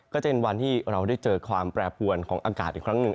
ก็จะเป็นวันที่เราได้เจอความแปรปวนของอากาศอีกครั้งหนึ่ง